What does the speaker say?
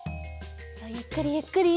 ゆっくりゆっくり。